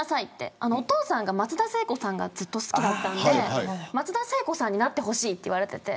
お父さんが、松田聖子さんがずっと好きだったので松田聖子さんになってほしいと言われていて。